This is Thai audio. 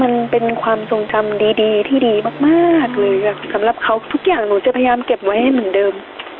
มันเป็นความทรงจำดีดีที่ดีมากเลยสำหรับเขาทุกอย่างหนูจะพยายามเก็บไว้ให้เหมือนเดิม